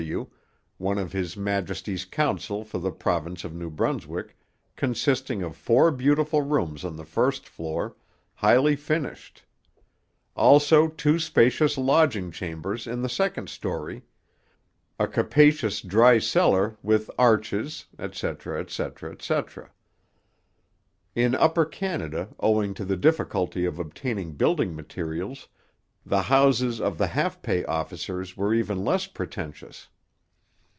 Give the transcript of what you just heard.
W., one of His Majesty's Council for the Province of New Brunswick, consisting of four beautiful Rooms on the first Floor, highly finished. Also two spacious lodging chambers in the second story a capacious dry cellar with arches &c. &c. &c.' In Upper Canada, owing to the difficulty of obtaining building materials, the houses of the half pay officers were even less pretentious.